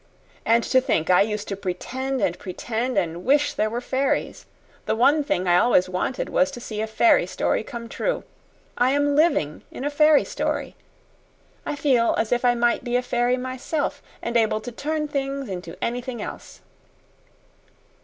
And to think I used to pretend and pretend and wish there were fairies! The one thing I always wanted was to see a fairy story come true. I am LIVING in a fairy story. I feel as if I might be a fairy myself, and able to turn things into anything else."